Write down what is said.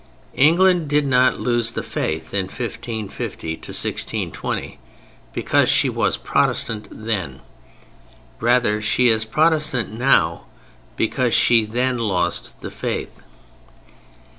England did not lose the Faith in 1550 1620 because she was Protestant then. Rather, she is Protestant now because she then lost the Faith.